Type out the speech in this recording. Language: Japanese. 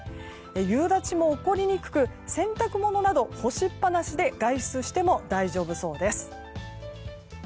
夕立も起こりにくく、洗濯物など干しっぱなしで外出しても大丈夫そうです。